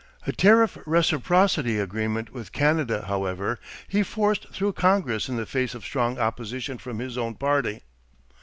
A tariff reciprocity agreement with Canada, however, he forced through Congress in the face of strong opposition from his own party.